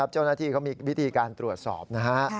เจ้าหน้าที่เขามีวิธีการตรวจสอบนะฮะ